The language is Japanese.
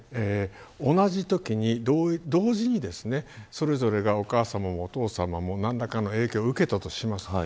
同じときに、同時にそれぞれがお母さまもお父さまも何らかの影響を受けたとします。